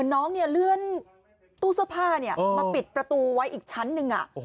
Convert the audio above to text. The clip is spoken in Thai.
น้องเลื่อนตู้เสื้อผ้ามาปิดประตูไว้อีกชั้นหนึ่ง